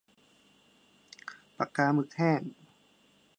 ปากกาหมึกแห้ง